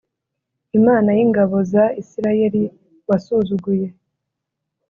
Imana y’ingabo za Isirayeli wasuzuguye.